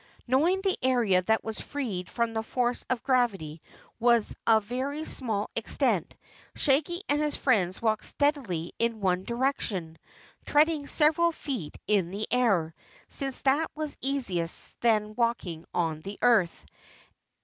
Knowing the area that was freed from the force of gravity was of very small extent, Shaggy and his friends walked steadily in one direction, treading several feet in the air, since that was easier than walking on the earth.